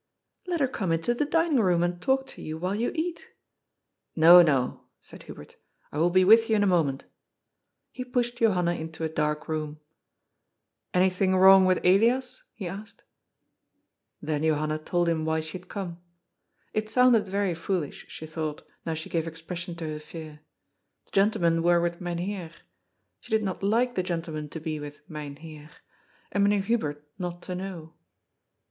" Let her come into the dining room, and talk to you while you eat." " No, no," said Hubert. " I will be with you in a mo ment." He pushed Johanna into a dark room. " Anything wrong with Elias ?" he asked. HUBERT'S DELIVERANCE. 423 Then Johanna told him why she had come. It sounded very foolish, she thought, now she gave expression to her fear. The gentlemen were with Myn Heer. She did not like the gentlemen to be with Myn Heer, and Meneer Hu bert not to know.